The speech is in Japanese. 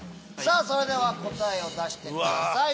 それでは答えを出してください。